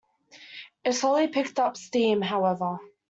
It slowly picked up steam, however.